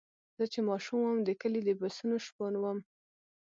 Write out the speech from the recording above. زه چې ماشوم وم د کلي د پسونو شپون وم.